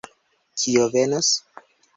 Kio venos?